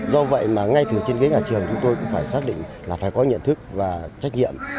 do vậy mà ngay từ trên ghế nhà trường chúng tôi cũng phải xác định là phải có nhận thức và trách nhiệm